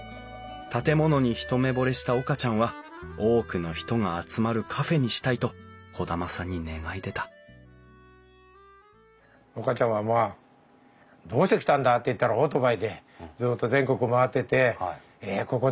建物に一目ぼれした岡ちゃんは多くの人が集まるカフェにしたいと兒玉さんに願い出た岡ちゃんはまあ「どうして来たんだ？」って言ったらオートバイでずっと全国を回っててここでカフェをしたいと。